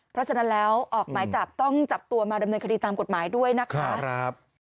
เพราะฉะนั้นแล้วออกหมายจับต้องจับตัวมาดำเนินคดีตามกฎหมายด้วยนะคะ